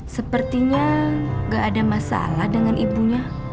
sepertinya gak ada masalah dengan ibunya